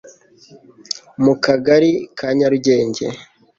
mu Kagari ka Nyarugenge